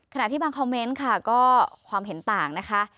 ที่บางคอมเมนต์ค่ะก็ความเห็นต่างนะคะ